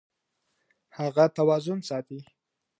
هغه توازن ساتي.